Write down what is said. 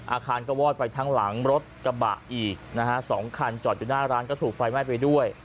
อาคารก็วอดไปทั้งหลังรถกระบะอีกนะฮะสองคันจอดอยู่หน้าร้านก็ถูกไฟไหม้ไปด้วย